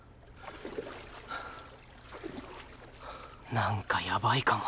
なんかやばいかも